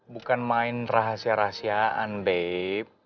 bukan main rahasia rahasiaan bab